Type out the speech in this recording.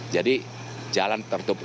jadi jalan tertutup